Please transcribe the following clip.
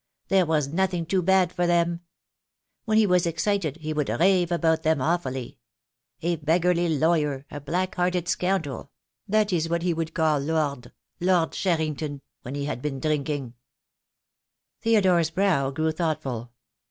There was nothing too bad for them. When he was excited he would rave about them awfully — a beggarly lawyer, a black hearted scoundrel, that is what he would call Lord — Lord Sherrington, when he had been drinking." THE DAY WILL COME. I Q I Theodore's brow grew thoughtful.